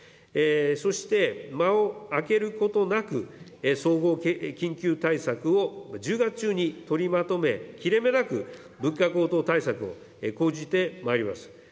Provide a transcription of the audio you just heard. そして、間を空けることなく、総合緊急対策を１０月中に取りまとめ、切れ目なく物価高騰対策を講じてまいります。